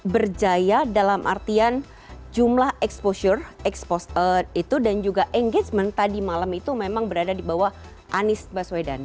berjaya dalam artian jumlah exposure expose itu dan juga engagement tadi malam itu memang berada di bawah anies baswedan